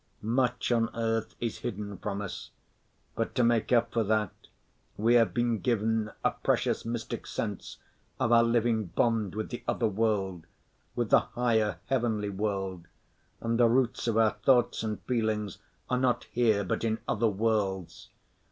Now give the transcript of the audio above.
Much on earth is hidden from us, but to make up for that we have been given a precious mystic sense of our living bond with the other world, with the higher heavenly world, and the roots of our thoughts and feelings are not here but in other worlds.